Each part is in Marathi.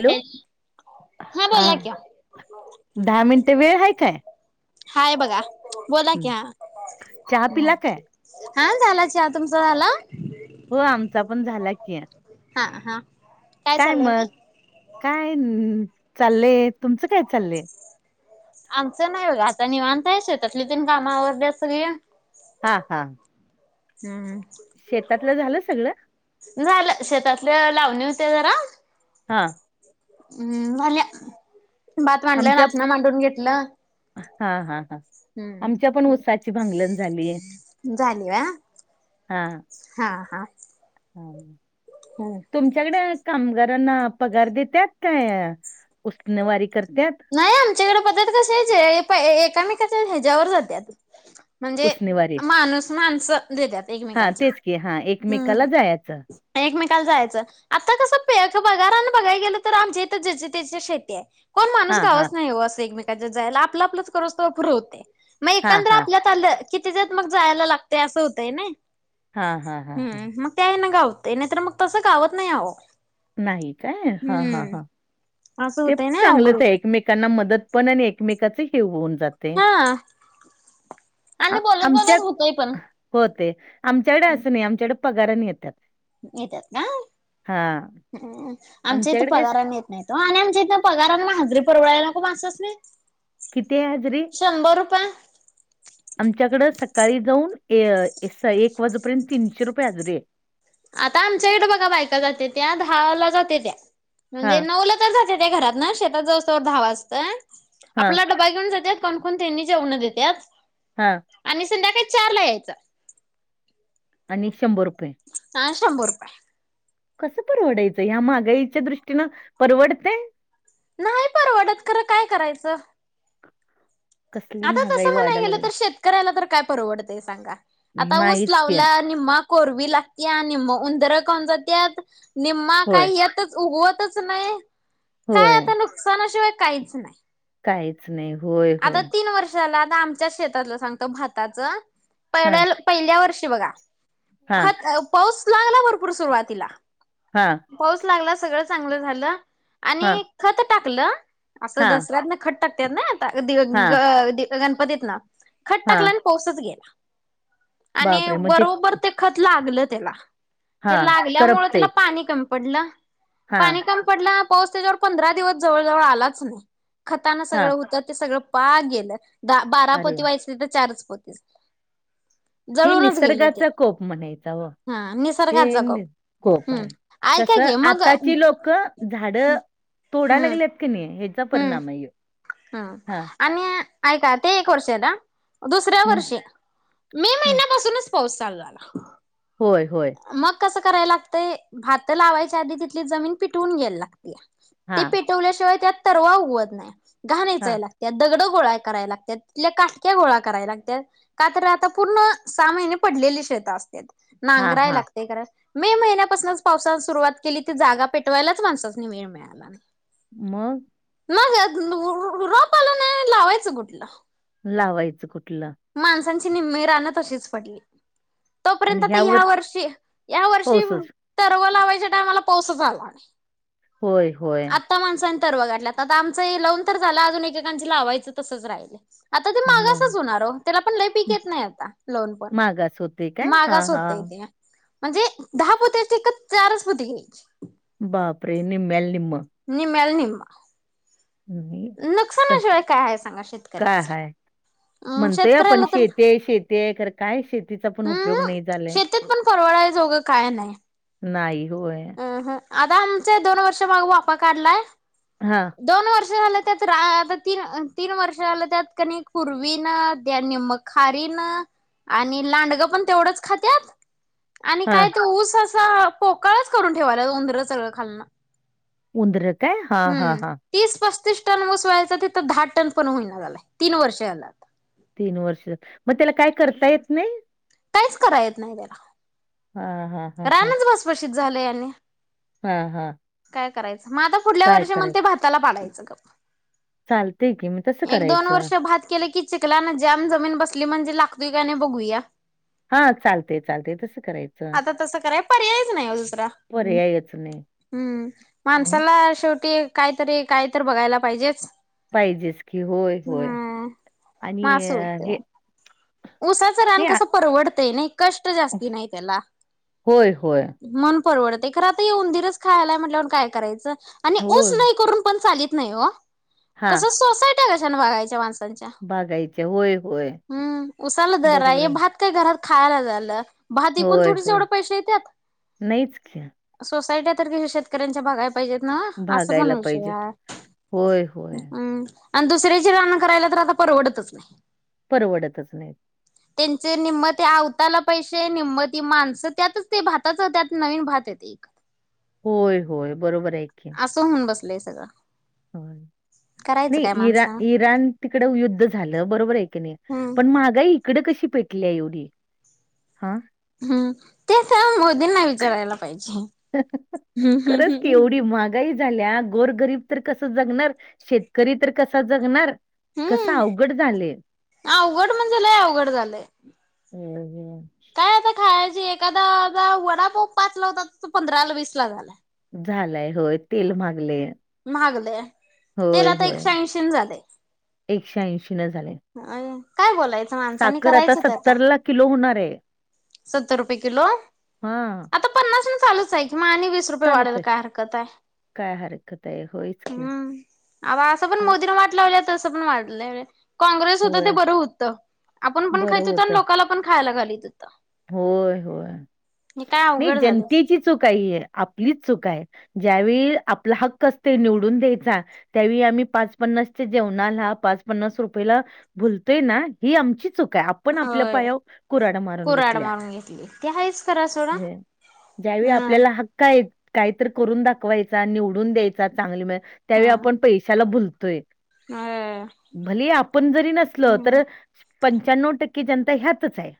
हॅलो हा बोला हां की दहा मिनिटे वेळ आहे काय? हाय बघा बोला हं. किआ. चहा पिला काय हा झाला चहा तुमचा झाला? हो आमचा पण झाला कीयां हा हा काय मग. काय न चाललंय, तुमचं काय चाललय? आमचं नाही बगा आता निवांत आहे, शेतातली तीन काम आवरल्यात सगळी. हा हा! हू हू! शेतातलं झालं सगळ? झाल शेतातल लावणी होते जरा. हां! ऊं झाल्या भात मांडलं रातना मांडून घेतलं हं हा हा! आमच्या पण हू उसाची भांगलण झाली झाली व्या. हा हा! हा हा! चालेल. हू! तुमच्याकडे कामगारांना पगार देत्यात काय, उसंणवारी करत्यांत. नाही आमच्याकडे पद्धत कसिच हे प एका मेकांच्या ह्याच्यायावर जात्यात. म्हणजे उसनवारी माणूस माणसं देत्यांत हा एकमेकाच तेच की हा हू हू. एकमेकाला जायचं एकमेकाल जायाचं. आता कसं पे पगारानं बघाय गेलं तर आमच्या इथं ज्याची त्याची शेती आहे कोण हा हा जावच नाही ओ असे एकमेकांच्या जायाला आपलं आपलंच करुस्तोवर फुरंं होतंय मग हा एकंदर हा आपल्यात तलं कितीच्यात मग जायला लागतंय असं होतंय नाई हा हा हा हा हं मग त्या हेन गावतयं नाहीतर मग तसं गावत नाही आहो. नाही काय हा हा हा. असं ते पण होतंय ना अवघड चांगलंच आहे होतंय. एकमेकांना मदत पण आणि एकमेकाच हे होऊन जा ते, हा आ आणि बोलत बोलत आमच्यात होतंय पण हो ते आमच्याकडं असं नाही आमच्याकडं पगाराने येतात. येतात ना हां, ह, आमच्या इथे आमच्याकडे काय पगारांनी येत नाहीत. त आणि आमच्या इथं पगारानं म हजरी परवडायला नको माणसासनी. किती आहे हजरीे? शंभर रूपये. आमच्याकडं सकाळी जाऊन ए स एक वाजुपर्यंत तीनशे रुपये हजरी आहे. आता आमच्या इकडं बघा बायका जातेत्या दहाला जाते त्या म्हणजे हां, नऊला जाते त्या घरातनं शेतात जाउस्तवर दहा वाजतयं, हां, आपला डबा घेऊन जात्यात कोणकोण त्यांनी जेवणं देत्यात हा. आणि संध्याकाळी चारला यायचं. आणि शंभर रुपये. ह शंभर रुपये. कसं परवडायचं ह्या महागाईच्या दृष्टीनं परवडतयं? नाही परवडत, खरं काय करायचं? कसली आता महागाई तसं म्हणाय वाढायला गेलं तर लागल्या. शेतकऱ्याला तर काय परवडतय सांगा, आता ऊस नाहीच की. लावला निम्मा कोरवी लागत्या, निम्म उंदर खाऊन जात्यात, निम्मा होय, काय येत च उगवतच नाही होय. नुकसना शिवाय काहीच नाही. काहीच नाही होय होय. चला आता आमच्याच शेतातलं सांगतो भाताच हां, पहिल्याल पहिल्या वर्षी बघा हां, खत पाऊस लागला भरपूर सुरुवातीला हा. पाऊस लागला सगळं चांगलं झालं हां, आणि खत टाकलं आसं हां. दसऱ्यातनं खत टाकत्यात ना आता की हां, ग दि गणपतीतनं खत टाकल हां. आणि पाऊसचं गेला आणि बापरे! मग बरोबर ते खत लागलं त्याला ते हां, लागल्यामुळे करपते. त्याला पाणी कमी पडलं हां, पाणी कमी पडला पाऊस त्याच्यावर पंधरा दिवस जवळ जवळ आलाच नाही खतानं सगळ हां. हुत ते सगळं पाक गेलं द बारा अरे! पोती व्हायचं तिथं चारच पोती झालं. हे निसर्गाचा कोप म्हणायचा ओ. हा हे निसर्गाचा कोप नि कोप हम्म आहे ऐका कसं की मग आताची हम्म लोकं झाडं तोडायला लागल्यात क नाही ह्याचा परिणाम आहे यो. हं आणि ऐका ते एक वर्ष ना दुसऱ्या हं, वर्षी मे हं. महिन्यापासूनच पाऊस चालू झाला. होय होय. मग कसं करायला लागतंय भातं लावायच्या आधी तिथली जमीन पिटवून घ्यायला लागतीया हा. पटवल्याशिवाय त्यात तरवा उगवत नाही घाण हां, वेचायला. त्यात दगडं गोळाय कराय लागतात, तिथल्या काटक्या गोळा कराय लागत्यात. का तर आता पूर्ण सहा महिने पडलेली शेत असतात हां, नांगरायला हां. ते करा, मे महिन्यापासूनच पावसान सुरुवात केली, ती जागा पेटवायलाच माणसासनी वेळ मिळे त्याला नाही. मग? मग रो रो रोप आलं ना लावायचं कुठलं? लावायचं कुठलं? माणसांची निम्मी रानं तशीच पडली. आणि तोपर्यंत तर ह्यावर या वर्षी, या वर्षी पाऊसच. तरवा लावायच्या टायमाला पाऊसच आला. होय होय. त्या माणसांनी तरवं गाठला, आता आमचं हे लावून तर झालं अजून एक एकेकांच लावायचं तसचं राहिलं. आता तर मग मागासच होणार ओ. त्याला पण लय पीक हं, येत नाही आता लावून पण मागास होते काय? हां, मागास होतंय हां. ते. म्हणजे दहा पोते असते तर चारच पोती घ्यायचे. बापरे निम्म्याला निम्म. निम्म्याला निम्म. कस काय आहे सांगा का शेतकऱ्याच हाय? अ म्हणतंय पण शेतकऱ्याला तर शेती शे तीय खरं काय शेतीचा पण उपयोग हम्म नाही झालाय. शेतीत पण परवडाय जोगं नाही होय. हं हं आता आमचे दोन वर्ष मग वाफा काढलाय. हा. दोन वर्ष झालं त्याच रा आता तीन तीन वर्ष झालं त्यात क नी पूर्वी न द्या निम्म खारीनं आणि लांडगं पण तेवढंच खात्यात. आणि हां. काय तो ऊस असा पोकळचं करून ठेवायला उंदरं सगळं खाल्लनं. उंदर काय? हा हा हा. तीस पस्तीस टन उस व्हायचा तिथं दहा टन पण होईना झालाय तीन वर्ष झालं. तीन वर्ष मग त्याला काय करता येत नाही? काहीच करा येत नाही त्याला. हा हा. रानच भाषभाषीत झालंय आणि हा हा. काय करायचं? मग आता पुढल्या वर्षी मग ते भाताला पाडायचं गप. चालतंय की मग तसं एक दोन करायचं. वर्ष भात केलं की चिखलानं जाम जमीन बसली की म्हणजे लागतो का नाही ते बघूया. हा चालतेय चालतेय तसं करायचं. हं. आता तसं कराय पर्यायच नाही ओ दुसरा. पर्यायच नाही. हम्म नाही. माणसाला शेवटी कायतरी काय तर बघायला पाहिजेच. पाहिजेच की होय होय हम्म आणि हे उसाचं रान नाही आ कसं परवडतंय नाही कष्ट जास्ती नाही त्याला. होय, होय. मन परवडतं खर आता उंदीरच खायलाय म्हटलं काय करायचं? आणि ऊस होय. नाही करून पण चालत नाही ओ, हां, कसं सोसायट्या कशाने बघायच्या माणस बाघायचे होय होय. सल जरा बरोबर हे आहे. भात काय घरात खायला झालं. भात विकुन होय, थोडेच होय. येवड पैशे नाहीच की. येत्यात सोसायट्या तरी शेतकऱ्यांच्या बघाय प पाहिजेत ना असं पण भागायला विषय पाहिजेत. हाय होय, होय. हम्म. आणि दुसऱ्याची रान् करायला तर आता परवडतच नाही. परवडतच नाहीत. त्यांचे निम्मत अवताला पैसे मती माणसं त्यातच ते भाताच त्यात नवीन भात येत एक. होय होय बरोबर आहे की. असं होऊन बसलंय सगळं. होय करायचं काय नाही इरा माणसानं इरान तीकड युद्ध झालं बरोबर आहे की नाही हम्म पण महागाई इकडं कशी पेटली आहे एवढी हा? हम्म तेच ना मोदींना विचारायला पाहिजे. हम्म हम्म खरंच की हम्म. एवढी माग गाई झाल्या गोरगरीब तर कस जगणार शेतकरी तर कसा जगणार. कस हम्म अवघड झाले अवघड म्हणजे लय अवघड झालंय. हम्म हम्म. काय आता खायाची एखादा दा वडापाव पाचला होता त पंधराला वीसला झालाये. झालाय होय तेल महागले. महागले तेल आता एकशे ऐंशी न झाले. एकशे ऐंशीला झालय. आन काय बोलायचं माणसनी करायचं त आता. ला किलो होणार आहे. सत्तर रुपये किलोये हां. आता पन्नास न चालूच आहे कि म आणि विस रुपये चालूच वाढेल आहे. काय हरकत आहे काय हरकत आहे होयच की हम्म. अहो असं पण हा, मोदी न वाट लावल्या तस पण वाटलय. काँग्रेस होत ते होय बरं होतं आपण पण बरं खायच होतं होत आणि लोकांला पण खायला घालीत होतं. होय होय हे काय नाही अवघड झालं. जनतेची चूक आहे ही आपलीच चूक आहे. ज्यावेळी आपला हक्क असते निवडून द्यायचा त्यावेळी आम्ही पाच पन्नासच्या जेवणाला पाच पन्नास रुपयेला भुलतोय ना ही आमची चूक आहे आपण आपल्या होय. पाया कुराडा मारून घेतो. कुराड मारून घेतली ते आहेच खरा सोडा. ज्यावेळी हा आपल्याला हक्क आहेत कायत करून दाखवायचा निवडून द्यायचा चांगली त्यावेळी आपण पैशाला भुलतोय. होय भले आपण जरी नसलो हम्म तर पंच्याण्णव टक्के जनता ह्यातच आहे.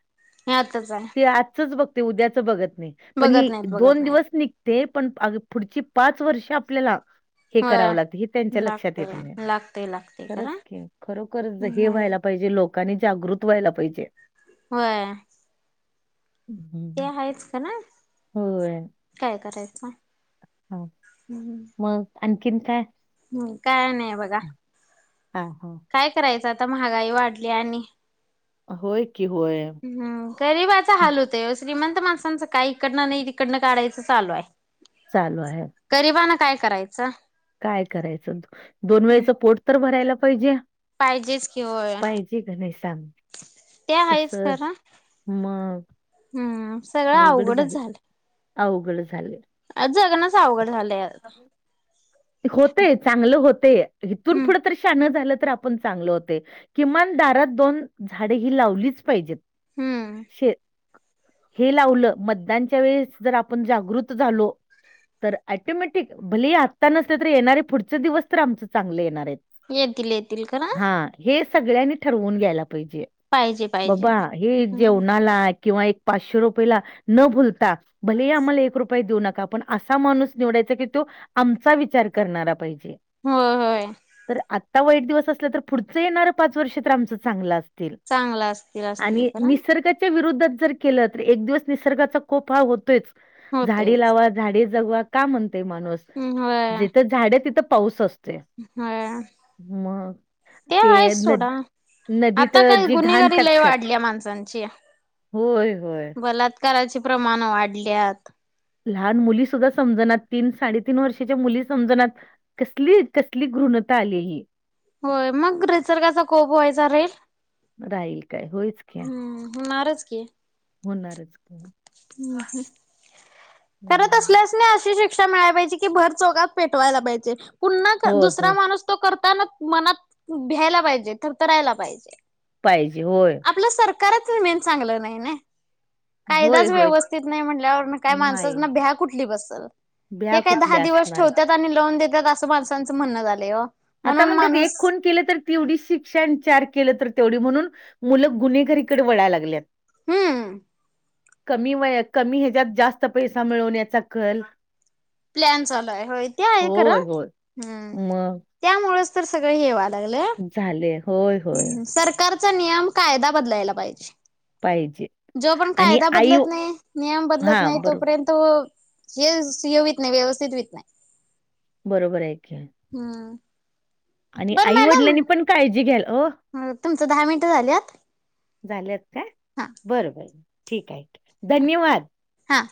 हे आताच आहे. ते आजचच बघतोय उद्याच बघत नाही पण हे बघत नाहीत बघत दोन नाहीत दिवस निघ ते पण अगं पुढची पाच वर्षे आपल्याला हे होय. करावं लागत हे त्यांच्या लक्षात लागतय येत नाही लागतय लागतय खरंच खरं की खरोखरचं हे होय. व्हायला पाहिजे लोक कानी जागृत व्हायला पाहिजे. व्हय. ते हं. आहेच का ना होय. काय करायचं. हा मग आणखीन काय? मंग काय नाही बघ. हा हा. काय करायचं आता महागाई वाढली आणि होय की होय. हम्म गरीबाच हाल होतंय ओ श्रीमंत माणसांचं काय इकडनं नाही तिकडनं काढायचं चालू आहे. चालू आहे. गरीबानं काय करायचं? काय करायचं, दोन हम्म वेळेचं पोट तर भरायला पाहिजे. पाहिजेच कि होय पाहिजे का नाही सांग? ते आहेच कसं? करा मग हम्म. सगळं अवघड अवघडच झाल, अवघड झालं. अ जगणं [inaudible] होतंय चांगलं होतंय इथून हम्म पुढं तर शहाण झालं तर आपण चांगल होतंय, किमान दारात दोन झाडे ही लावलीच पाहिजेत. हम्म. शे हे लावलं मतदानच्या वेळेस जर आपण जागृत झालो तर अटोमॅटिक भले आत्ता नसले तर येणारे पुढचे दिवस तर आमचं चांगले येणार आहेत. येतील येतील खरं. हां, हे सगळ्यांनी ठरवून घ्यायला पाहिजे, पाहिजे पाहिजे बाबा हे हम्म जेवणाला किंवा एक पाचशे रुपयेला न भुलता भले ही आम्हाला एक रुपये देऊ नका पण असं हा माणूस निवडायचा की तो आमचा विचार करणारा पाहिजे. होय होय. तर आत्ता वाईट दिवस असलं तर पुढचं येणारं पाच वर्ष तर आमचं चांगलं अस येतील चांगला असतील आणि असतील एक खरं निसर्ग त्या विरोधात जर केलं तर एक दिवस निसर्गाचा कोप हा होतोयचं, झाडे होतयच लावा झाडे जगवा का म्हणतोय माणूस. हम् होय. जिथं झाडें तिथं पाऊस अस हाया मग ते नद नदीत आता काय जी घाण गुन्हेगारी लय टाकत्यात वाढल्या माणसांची. होय होय. कराचे प्रमाण वाढल्यात. लहान मुली सुद्धा समजणात, तीन साडेतीन वर्षाच्या मुली समजणात. कसली कसली घृणता आली ही. होय मग निसर्गाचा कोप व्हायचा राहील. राहील काय होयचं. हम्म हुणारचं की. हुणारचं हम् [unintelligible] तेला अशी शिक्षा मिळाय पाहिजे की भर चौकात पेटवायला पाहिजे पुन्हा होय, दुसरा होय. माणूस तो करताना मनात भ्यायला पाहिजे, थरथरायला पाहिजे. पाहिजे होय. आपलं सरकारच मेन चांगलं नाही ना. होय कायदाच होय व्यवस्थित नाही म्हटल्यावर काय नाही माणसांसन भ्या कुठली बसल भ्या हे काय दहा कुठल्या दिवस असणार ठेवतात आणि लोन देतात असं माणसांचं म्हणणं झालंय हो आता म्हणतात एक खुन केले तर तेवढी शिक्षण चार केलं तर तेवढी म्हणून मुले गुन्हेगारीकडे वळायला लागल्यात. हम्म कमी वयात कमी ह्याच्यात जास्त पैसा मिळवण्याचा कल प्लॅन चालू आहे हो ते आहे खरे होय होय. हम्म मग त्यामुळेच तर सगळं हे व्हा लागलंय. झालेय. हं सरकारचा नियम कायदा बदलायला पाहिजे. पाहिजे जो पण आणि कायदा आई बदलत नाही, नियम बदलत हा नाही बरोब तोपर्यंत. तो हे य हुईत नाही व्यवस्थित हुईत नाही. बरोबर आहे की. हा.. आणि आई- वडिलांनी पण काळजी घ्यायला... वो. तुमचं दहा मिनिटं झाल्यात. झाल्यात काय. हा बरं, बरं ठीक आहे, धन्यवाद. हां